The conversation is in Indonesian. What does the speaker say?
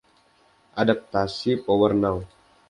Adaptasi PowerNow!